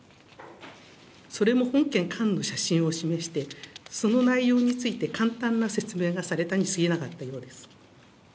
それも本件缶の写真を示して、その内容について簡単な説明がされたにすぎなかったようです。